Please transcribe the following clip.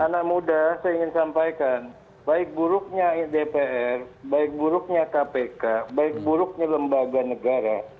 anak muda saya ingin sampaikan baik buruknya dpr baik buruknya kpk baik buruknya lembaga negara